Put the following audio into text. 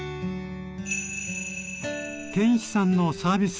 建一さんのサービス